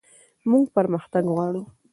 موږ پرمختګ غواړو